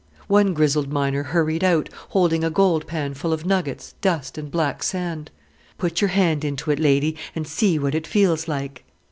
One grizzled miner hurried out, holding a gold pan full of nuggets, dust, and black sand. "Put your hand into it, lady, and see what it feels like."